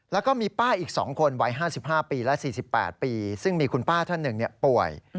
แล้วก็มีป้าอีก๒คนวัย๕๕ปีและ๔๘ปีซึ่งมีคุณป้าท่านหนึ่งป่วย